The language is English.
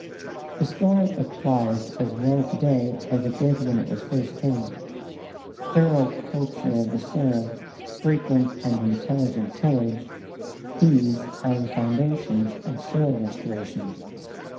The story applies as well to day as it did when it was first told. Thorough culture of the soil, frequent and intelligent tillage these are the foundations of soil restoration.